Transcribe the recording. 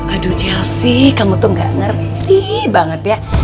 aduh chelsea kamu tuh gak ngerti banget ya